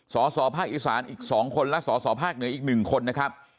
สสภาคอีสานอีก๒คนและสสภาคเหนืออีก๑คนนะครับ